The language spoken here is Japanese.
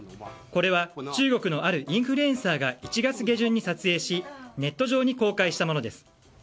これは中国のあるインフルエンサーが１月下旬に撮影しネット上に公開したものです。